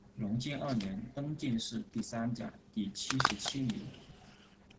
隆庆二年，登进士第三甲第七十七名。